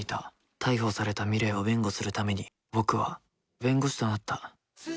逮捕された美鈴を弁護するために、僕は弁護士となった。